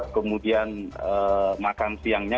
kemudian makan siangnya